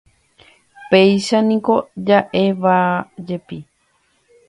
Péichaniko ja'évajepi